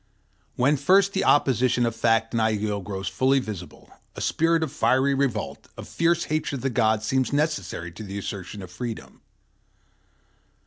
When first the opposition of fact and ideal grows fully visible, a spirit of fiery revolt, of fierce hatred of the gods, seems necessary to the assertion of freedom.